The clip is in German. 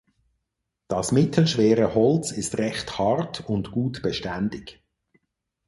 Das mittelschwere Holz ist recht hart und gut beständig.